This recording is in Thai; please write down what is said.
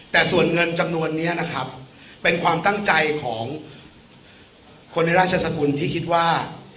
แต่ส่วนเงินจำนวนนี้นะครับเป็นความตั้งใจของคนในราชสกุลที่คิดว่า